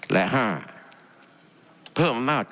และ๕เพิ่มมาตร